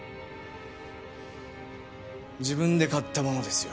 自分で買ったものですよ。